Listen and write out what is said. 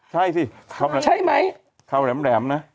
ใช่สิเขาแหลมนะ